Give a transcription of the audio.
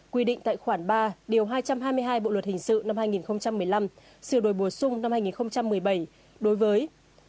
quy định tại khoản ba điều hai trăm hai mươi hai bộ luật hình sự năm hai nghìn một mươi năm sửa đổi bổ sung năm hai nghìn một mươi bảy đối với